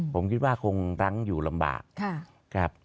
ผมคิดว่าคงรั้งอยู่ลำบากครับ